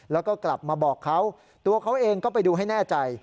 แล้วก็กลับมาบอกเขาตัวเขาเองก็ไปดูให้แน่ใจ